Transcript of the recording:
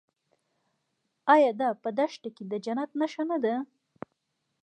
آیا دا په دښته کې د جنت نښه نه ده؟